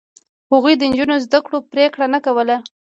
هغوی د نجونو د زده کړو پرېکړه نه کوله.